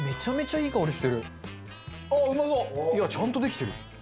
いやちゃんとできてる。